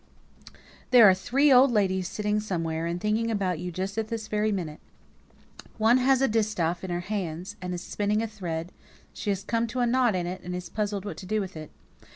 "There are three old ladies sitting somewhere, and thinking about you just at this very minute; one has a distaff in her hands, and is spinning a thread; she has come to a knot in it, and is puzzled what to do with it.